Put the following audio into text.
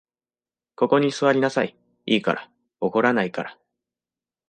ここに坐りなさい、いいから。怒らないから。